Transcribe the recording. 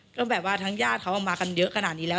ก็แบบว่าทั้งญาติเขามากันเยอะขนาดนี้แล้ว